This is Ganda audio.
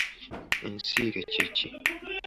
Ensiike kye ki?